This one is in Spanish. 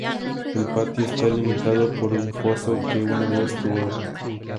El patio está limitado por un foso que una vez tuvo agua.